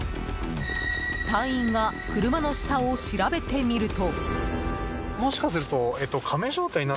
隊員が車の下を調べてみると。